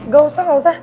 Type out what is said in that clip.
sel sini aku bantuin